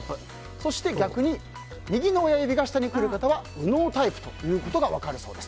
そして、逆に右の親指が下にくる方は右脳タイプということが分かるそうです。